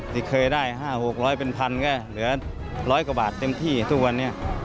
ที่เคยได้๕๖๐๐เป็นพันก็เหลือร้อยกว่าบาทเต็มที่ทุกวันนี้